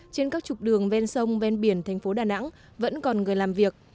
trên các trục đường ven sông ven biển thành phố đà nẵng vẫn còn người làm việc